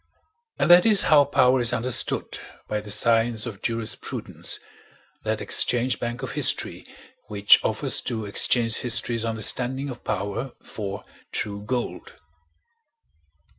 And that is how power is understood by the science of jurisprudence, that exchange bank of history which offers to exchange history's understanding of power for true gold.